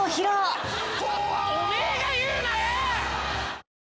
おめえが言うなよ！